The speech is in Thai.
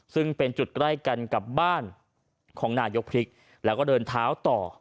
ซึ่งเป็นจุดใกล้กันกับบ้านของนายกพริกแล้วก็เดินเท้าต่อ